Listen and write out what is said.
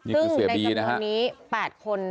ซึ่งในสัปดาห์นี้๘คน